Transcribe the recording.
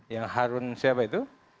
yang harun siapa itu